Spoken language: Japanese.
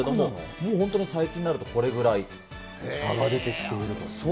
もう本当に最近になるとこれぐらい差が出てきていると。